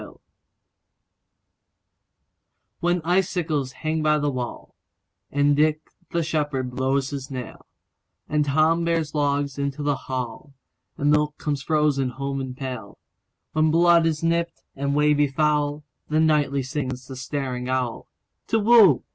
Winter WHEN icicles hang by the wallAnd Dick the shepherd blows his nail, And Tom bears logs into the hall, And milk comes frozen home in pail; When blood is nipt, and ways be foul, Then nightly sings the staring owlTu whoo!